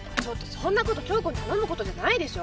そんなこと響子に頼むことじゃないでしょ？